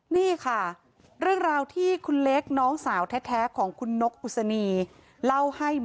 นี่ค่ะเรื่องราวที่คุณเล็กน้องสาวแท้ของคุณนกอุศนีเล่าให้